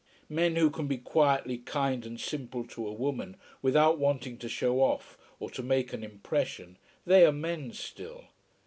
Men who can be quietly kind and simple to a woman, without wanting to show off or to make an impression, they are men still.